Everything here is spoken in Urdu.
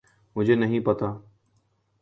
مجھے نہیں پتہ۔